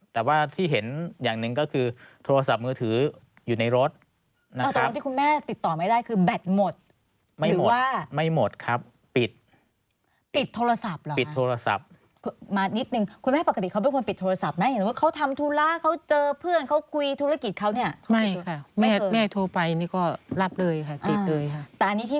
แต่ว่าที่เห็นอย่างหนึ่งก็คือโทรศัพท์มือถืออยู่ในรถที่คุณแม่ติดต่อไม่ได้คือแบตหมดไม่รู้ว่าไม่หมดครับปิดปิดโทรศัพท์เหรอปิดโทรศัพท์มานิดนึงคุณแม่ปกติเขาเป็นคนปิดโทรศัพท์ไหมเห็นว่าเขาทำธุระเขาเจอเพื่อนเขาคุยธุรกิจเขาเนี่ยไม่ค่ะแม่แม่โทรไปนี่ก็รับเลยค่ะติดเลยค่ะแต่อันนี้ที่